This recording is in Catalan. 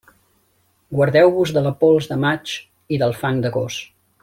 Guardeu-vos de la pols de maig i del fang d'agost.